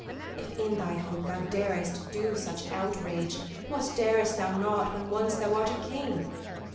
If in thy hope thou darest do such outrage, What darest thou not when once thou art a king?